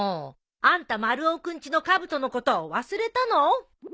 あんた丸尾君ちのかぶとのこと忘れたの？